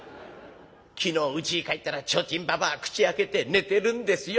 昨日うちへ帰ったら提灯ばばあ口開けて寝てるんですよ。